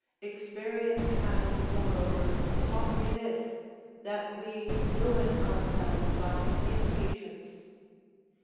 Experience has, moreover, taught me this, that we ruin ourselves by impatience.